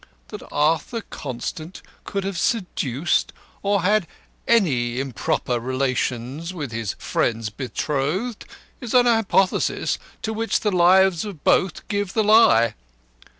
That Arthur Constant could have seduced, or had any improper relations with his friend's betrothed is a hypothesis to which the lives of both give the lie.